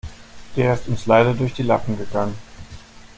Der ist uns leider durch die Lappen gegangen.